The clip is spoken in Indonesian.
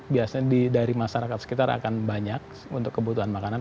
biasanya dari masyarakat sekitar akan banyak untuk kebutuhan makanan